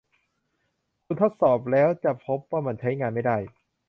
คุณทดสอบแล้วและพบว่ามันใช้งานไม่ได้ ?